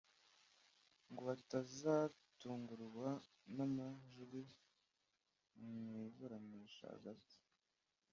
ngo batazatungurwa mu majwi mu iburanisha hagati